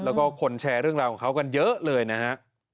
แล้วก็คนแชร์เรื่องราวของเขากันเยอะเลยนะฮะ